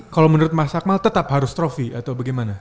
kalau menurut mas akmal tetap harus trofi atau bagaimana